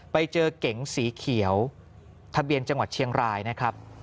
ไปเจอเก๋งสีเขียวทะเบียนจังหวัดเชียงรายนะครับ